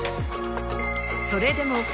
それでも。